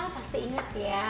pasti inget ya